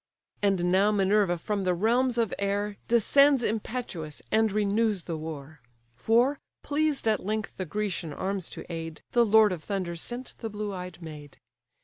And now Minerva from the realms of air Descends impetuous, and renews the war; For, pleased at length the Grecian arms to aid, The lord of thunders sent the blue eyed maid.